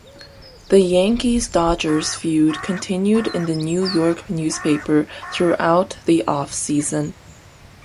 The Yankees-Dodgers feud continued in the New York newspapers throughout the offseason.